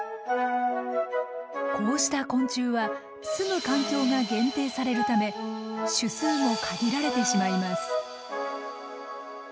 こうした昆虫はすむ環境が限定されるため種数も限られてしまいます。